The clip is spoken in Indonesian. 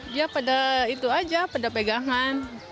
dia pada itu aja pada pegangan